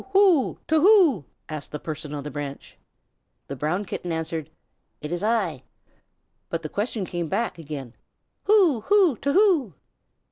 Who? To who?" asked the person on the branch. The Brown Kitten answered, "It is I." But the question came again: "Who? Who? To who?"